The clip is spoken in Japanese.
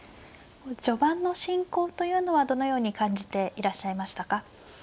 序盤の進行というのはどのように感じていらっしゃいましたか。